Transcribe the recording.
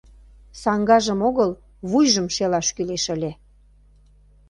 Саҥгажым огыл, вуйжым шелаш кӱлеш ыле...